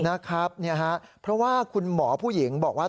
นะครับเพราะว่าคุณหมอผู้หญิงบอกว่า